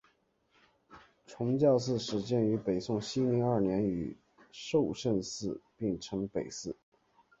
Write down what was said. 崇教寺始建于北宋熙宁二年与寿圣寺并称北寺。